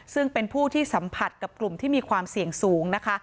ซึ่งเป็นผู้ที่สัมผัสกับกลุ่มที่มีความเสี่ยงสูงนะคะ